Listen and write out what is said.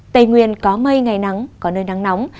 tây nguyên có mây ngày nắng có nơi nắng nóng